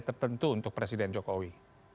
tertentu untuk presiden jokowi